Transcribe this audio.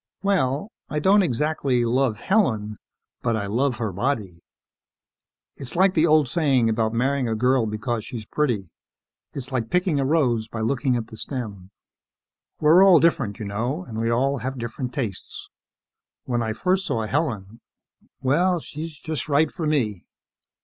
"Well, I don't exactly love Helen, but I love her body. It's like the old saying about marrying a girl because she's pretty is like picking a rose by looking at the stem. We're all different, you know, and we all have different tastes. When I first saw Helen Well, she's just right for me.